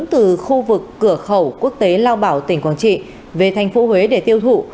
từ khu vực cửa khẩu quốc tế lao bảo tỉnh quảng trị về thành phố huế để tiêu thụ